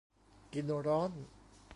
กินร้อน